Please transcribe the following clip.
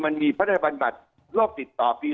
มันมีพัฒนาบัตรโรคติดต่อปี๒๕๕๘